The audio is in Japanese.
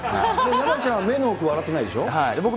山ちゃんは目の奥、笑ってないでしょ。